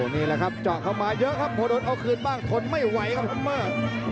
นี่แหละครับเจาะเข้ามาเยอะครับพอโดนเอาคืนบ้างทนไม่ไหวครับฮัมเมอร์